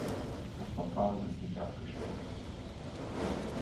Das Verfahren ist nicht abgeschlossen.